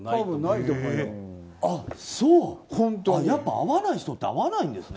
会わない人って会わないんですね。